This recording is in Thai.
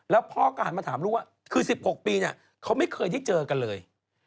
แล้วพ่อก็หันมาถามลูกว่าคือ๑๖ปีเนี่ยเขาไม่เคยได้เจอกันเลย